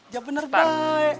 jawab bener baik